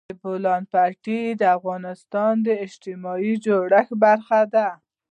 د بولان پټي د افغانستان د اجتماعي جوړښت برخه ده.